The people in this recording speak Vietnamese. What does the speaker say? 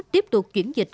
tiếp tục chuyển dịch